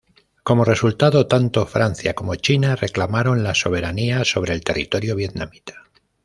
Como resultado, tanto Francia como China reclamaron la soberanía sobre el territorio vietnamita.